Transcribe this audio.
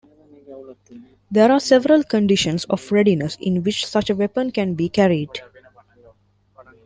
There are several conditions of readiness in which such a weapon can be carried.